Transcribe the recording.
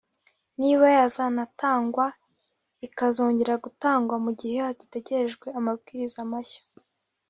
niba yazanatangwa ikazongera gutangwa mu gihe hagitegerejwe andi mabwiriza mashya